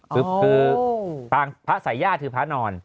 คือพระสายญาติคือพระนอน